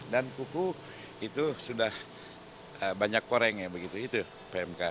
dan kuku itu sudah banyak koreng ya begitu itu pmk